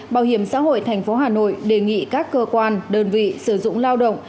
bảo hiểm xã hội thành phố hà nội đề nghị các cơ quan đơn vị sử dụng lao động